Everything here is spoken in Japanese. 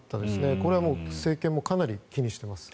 これは政権もかなり危惧しています。